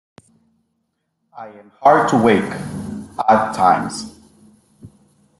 I am hard to wake, odd times.